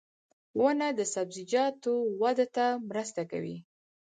• ونه د سبزیجاتو وده ته مرسته کوي.